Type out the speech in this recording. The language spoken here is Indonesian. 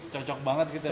cocok banget gitu ya